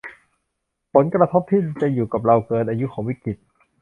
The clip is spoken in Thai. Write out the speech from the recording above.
ผลกระทบที่จะอยู่กับเราเกินอายุของวิกฤต